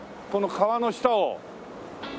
この川の下を。